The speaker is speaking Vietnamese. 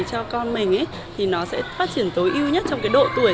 cho con mình thì nó sẽ phát triển tối ưu nhất trong cái độ tuổi